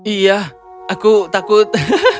iya aku takut